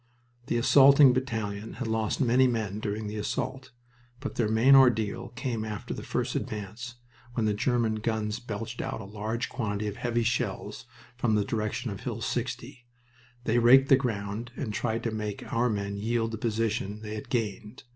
The assaulting battalion had lost many men during the assault, but their main ordeal came after the first advance, when the German guns belched out a large quantity of heavy shells from the direction of Hill 60. They raked the ground, and tried to make our men yield the position they had gained.